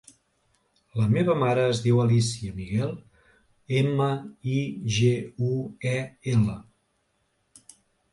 La meva mare es diu Alícia Miguel: ema, i, ge, u, e, ela.